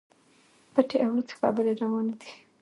پټي او لڅي خبري رواني دي.